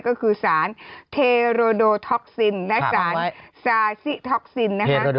ก็คือสารเทโรโดท็อกซินและสารซาซิท็อกซินนะคะ